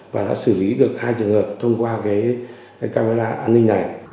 và đã xử lý được hai trường hợp thông qua camera an ninh này